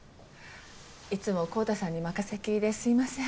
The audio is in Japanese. いつも昂太さんに任せっきりですいません。